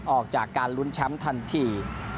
ออกจากการลุ้นแชมป์ทันที